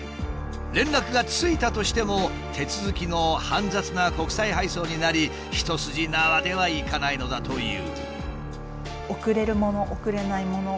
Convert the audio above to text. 連絡がついたとしても手続きの煩雑な国際配送になり一筋縄ではいかないのだという。